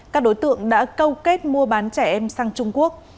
các đối tượng đã câu kết mua bán trẻ em sang trung quốc